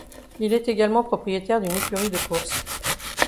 Il est également propriétaire d'une écurie de course.